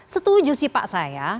setuju sih pak saya